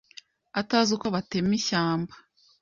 atazi uko batema ishyamba.